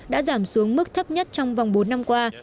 đã giảm xuống mức thấp nhất trong vòng bốn năm qua